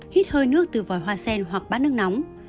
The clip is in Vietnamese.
hít hơi nước từ vòi hoa sen hoặc bát nước nóng